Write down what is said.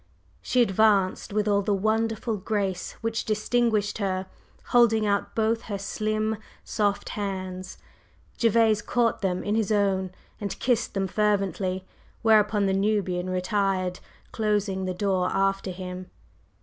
She advanced with all the wonderful grace which distinguished her, holding out both her slim, soft hands. Gervase caught them in his own and kissed them fervently, whereupon the Nubian retired, closing the door after him.